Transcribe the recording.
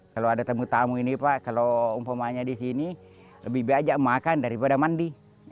kalau ada tamu tamu ini pak kalau umpamanya di sini lebih baik aja makan daripada mandi